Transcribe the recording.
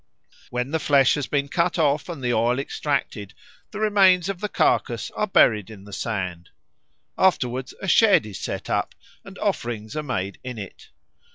When the flesh has been cut off and the oil extracted, the remains of the carcase are buried in the sand. After wards a shed is set up and offerings are made in it.